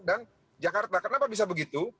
dan jakarta kenapa bisa begitu